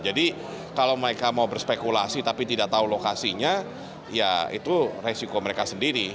jadi kalau mereka mau berspekulasi tapi tidak tahu lokasinya ya itu resiko mereka sendiri